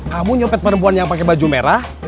kamu nyopet perempuan yang pakai baju merah